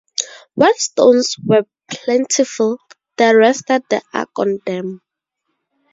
When stones were plentiful, they rested the ark on them.